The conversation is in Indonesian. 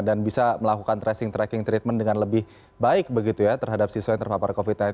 dan bisa melakukan tracing tracking treatment dengan lebih baik begitu ya terhadap siswa yang terpapar covid sembilan belas